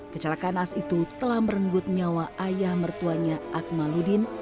kecelakaan as itu telah merenggut nyawa ayah mertuanya akmaludin